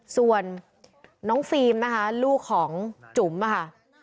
ส่วนน้องฟิล์มนะคะลูกของจุ๋มค่ะ